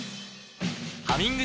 「ハミング」